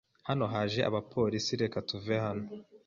Hano haje abapolisi. Reka tuve hano.